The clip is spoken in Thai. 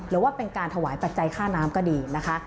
หรือว่าเป็นการถวายปัจจัยค่าน้ำก็ดีนะคะ